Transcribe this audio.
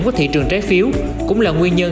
của thị trường trái phiếu cũng là nguyên nhân